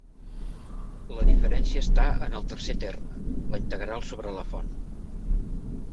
La diferència està en el tercer terme, la integral sobre la font.